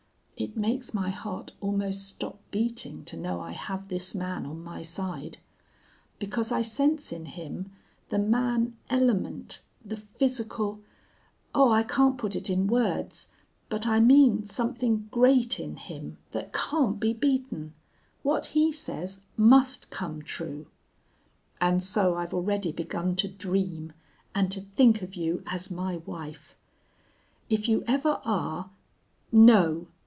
"It makes my heart almost stop beating to know I have this man on my side. Because I sense in him the man element, the physical oh, I can't put it in words, but I mean something great in him that can't be beaten. What he says must come true!... And so I've already begun to dream and to think of you as my wife. If you ever are no!